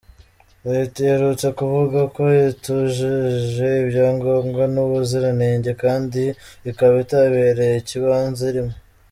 Leta iherutse kuvuga ko itujuje ibya ngombwa n’ubuziranenge kandi ikaba itabereye ikibanza irimo.